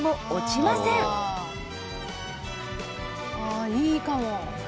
あああいいかも。